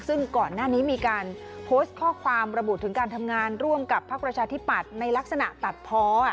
ซึ่งก่อนหน้านี้มีการโพสต์ข้อความระบุถึงการทำงานร่วมกับพักประชาธิปัตย์ในลักษณะตัดพอ